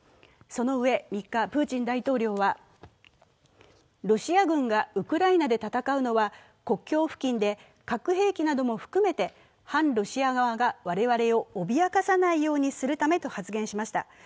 その上、３日、プーチン大統領はロシア軍がウクライナで戦うのは国境付近で、核兵器なども含めて反ロシア側が我々を脅かさないようにするためと発言しました。